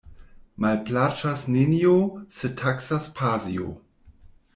Malplaĉas nenio, se taksas pasio.